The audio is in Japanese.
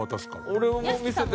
俺も見せてます。